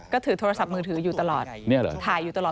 ก็ถือโทรศัพท์มือถืออยู่ตลอดถ่ายอยู่ตลอด